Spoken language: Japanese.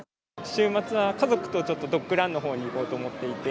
週末は家族とちょっとドッグランのほうに行こうと思っていて。